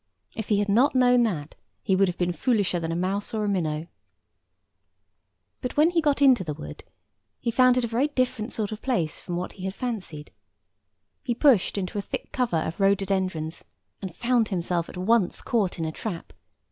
If he had not known that, he would have been foolisher than a mouse or a minnow. [Picture: Man on knees] But when he got into the wood, he found it a very different sort of place from what he had fancied. He pushed into a thick cover of rhododendrons, and found himself at once caught in a trap.